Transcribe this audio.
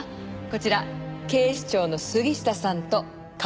こちら警視庁の杉下さんと冠城さん。